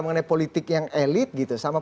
mengenai politik yang elit gitu sama